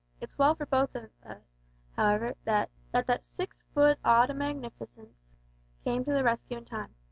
It's well for both on us, however, that that six foot odd o' magnificence came to the rescue in time.